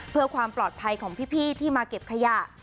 เพื่อความปลอดภัยของพี่ที่มาเก็บขยะ